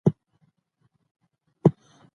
پکتیا د افغانستان د ملي هویت نښه ده.